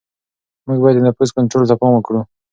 موږ باید د نفوس کنټرول ته پام وکړو.